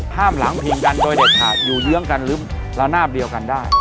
ห้ามหลังพิงกันโดยเด็ดขาดอยู่เยื้องกันหรือระนาบเดียวกันได้